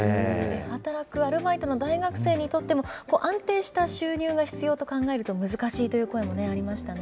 働くアルバイトの大学生にとっても、安定した収入が必要と考えると、難しいという声もありましたね。